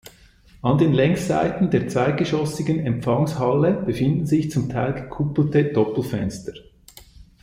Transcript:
An den Längsseiten der zweigeschossigen Empfangshalle befinden sich zum Teil gekuppelte Doppelfenster.